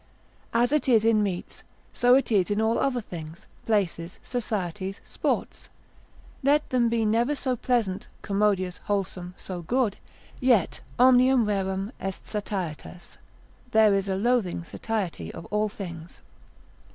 As it is in meats so it is in all other things, places, societies, sports; let them be never so pleasant, commodious, wholesome, so good; yet omnium rerum est satietas, there is a loathing satiety of all things.